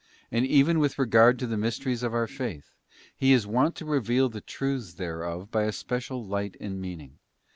And even with regard to the mysteries of our Faith, He is wont to reveal the truths thereof by a special light and meaning.